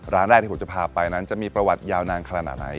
ร้านแรกที่ผมจะพาไปนั้นจะมีประวัติยาวนานขนาดไหน